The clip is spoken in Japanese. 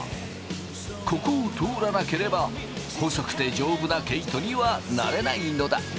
ここを通らなければ細くて丈夫な毛糸にはなれないのだ！